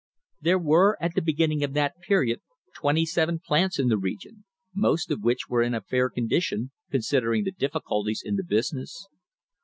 There were at the beginning of that period twenty seven plants in the region, most of which were in a fair condition, con sidering the difficulties in the business.